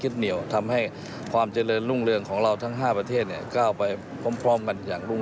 ตัวแทนพระธรรมทูตจากห้าประเทศกว่า๕๐รูป